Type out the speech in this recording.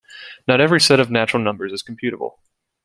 Not every set of natural numbers is computable.